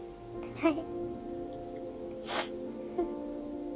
はい。